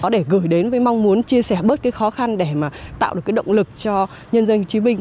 để gửi đến với mong muốn chia sẻ bớt khó khăn để tạo được động lực cho nhân dân hồ chí minh